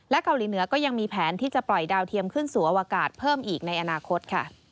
เกาหลีเหนือก็ยังมีแผนที่จะปล่อยดาวเทียมขึ้นสู่อวกาศเพิ่มอีกในอนาคตค่ะ